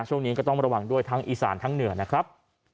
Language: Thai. ช่วงนี้ก็ต้องระวังด้วยทั้งอีสานทั้งเหนือนะครับ